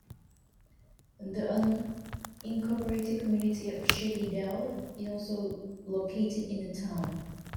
The unincorporated community of Shady Dell is also located in the town.